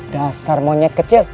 dasar monyet kecil